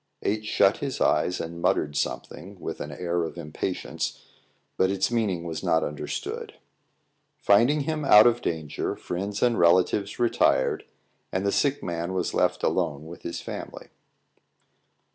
H shut his eyes and muttered something, with an air of impatience; but its meaning was not understood. Finding him out of danger, friends and relatives retired, and the sick man was left alone with his family.